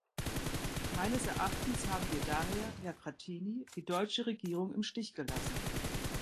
Meines Erachtens haben wir daher, Herr Frattini, die deutsche Regierung im Stich gelassen.